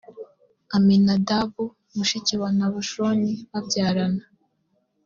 aminadabu mushiki wa nahashoni babyarana